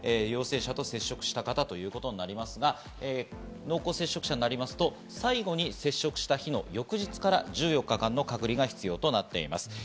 陽性者と接触した方ということになりますが、濃厚接触者になりますと、最後に接触した日の翌日から１４日間の隔離が必要となっています。